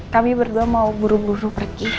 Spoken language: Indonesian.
kami berdua mau buru buru pergi